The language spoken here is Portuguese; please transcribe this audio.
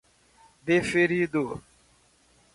Deferido